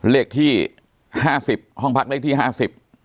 เลขที่ห้าสิบห้องพักเลขที่ห้าสิบ